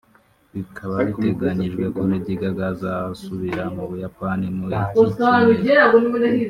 Bikaba biteganyijwe ko Lady Gaga azasubira mu Buyapani muri iki cyumweru